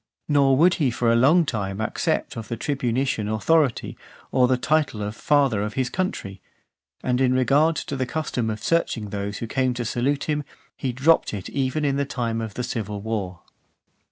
Nor would he for a long time accept of the tribunitian authority, or the title of Father of his Country. And in regard to the custom of searching those who came to salute him, he dropped it even in the time of the civil war.